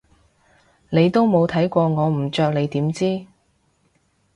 你都冇睇過我唔着你點知？